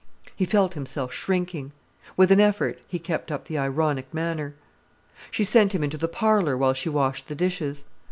He felt himself shrinking. With an effort he kept up the ironic manner. She sent him into the parlour while she washed the dishes.